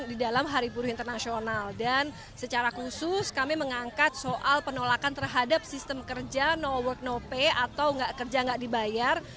di dalam hari buruh internasional dan secara khusus kami mengangkat soal penolakan terhadap sistem kerja no work no pay atau kerja nggak dibayar